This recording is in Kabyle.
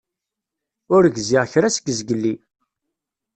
Ur gziɣ kra seg zgelli.